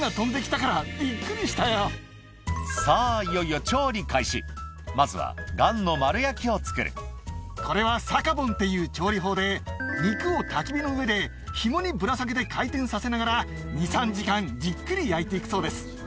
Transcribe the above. いよいよまずはガンの丸焼きを作るこれはサカボンっていう調理法で肉をたき火の上でひもにぶら下げて回転させながら２３時間じっくり焼いて行くそうです。